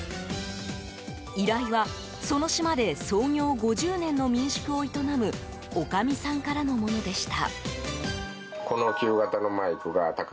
依頼は、その島で創業５０年の民宿を営むおかみさんからのものでした。